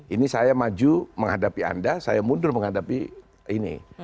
ini saya maju menghadapi anda saya mundur menghadapi ini